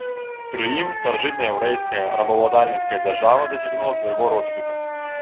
Пры ім старажытнаяўрэйская рабаўладальніцкая дзяржава дасягнула свайго росквіту.